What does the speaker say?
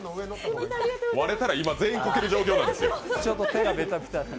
割れたら今、全員こける状況なんですよ。